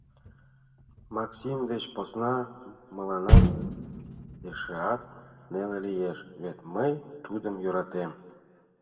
Максим деч посна мыланем эшеат неле лиеш, вет мый тудым йӧратем.